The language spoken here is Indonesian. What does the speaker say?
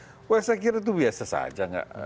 saya kira itu biasa saja